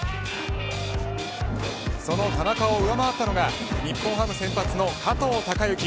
その田中を上回ったのが日本ハム先発の加藤貴之。